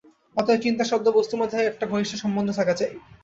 অতএব চিন্তা শব্দ ও বস্তুর মধ্যে একটা ঘনিষ্ঠ সম্বন্ধ থাকা চাই।